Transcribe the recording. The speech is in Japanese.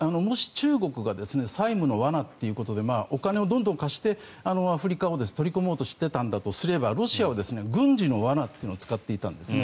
中国が債務の罠ということでお金をどんどん貸してアフリカを取り込もうとしていたとするならばロシアは軍事の罠というのを使っていたんですね。